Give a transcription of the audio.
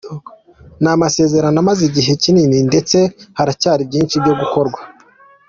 Ni amasezerano amaze igihe kinini, ndetse haracyari byinshi byo gukorwa.